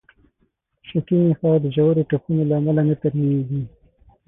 شوکي نخاع د ژورو ټپونو له امله نه ترمیمېږي.